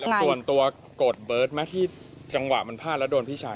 ส่วนตัวโกรธเบิร์ตไหมที่จังหวะมันพลาดแล้วโดนพี่ชาย